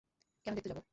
কেন দেখতে যাবো?